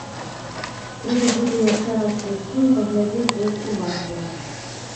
Трэба будзе яшчэ раз прыйсці і паглядзець больш уважліва.